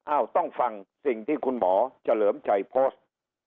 ต้องฟังสิ่งที่คุณหมอเฉลิมชัยโพสต์